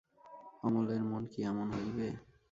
অমলের মন কি এমন হইবে।